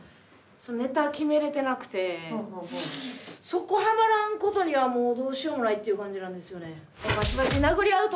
そこはまらんことにはもうどうしようもないっていう感じなんですよね。